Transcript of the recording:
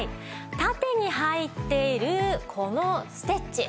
縦に入っているこのステッチ。